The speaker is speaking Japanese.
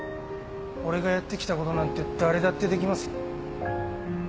俺がやってきたことなんて誰だってできますよ。